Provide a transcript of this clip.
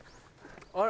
あれ？